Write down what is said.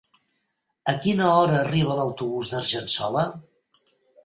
A quina hora arriba l'autobús d'Argençola?